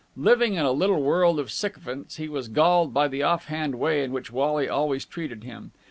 Living in a little world of sycophants, he was galled by the off hand way in which Wally always treated him.